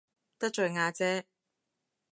得罪阿姐